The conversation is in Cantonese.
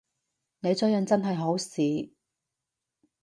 你追人真係好屎